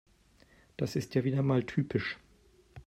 Das ist ja wieder mal typisch.